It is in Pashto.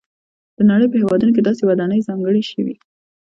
د نړۍ په هېوادونو کې داسې ودانۍ ځانګړې شوي.